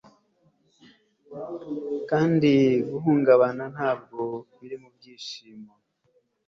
kandi guhungabana ntabwo biri mubyishimo